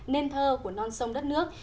nên thơ của non sông đất nước